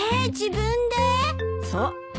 そう。